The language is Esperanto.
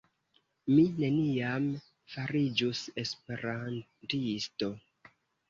Mi neniam fariĝus Esperantisto